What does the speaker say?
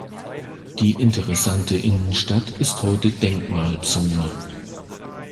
Die interessante Innenstadt ist heute Denkmalzone.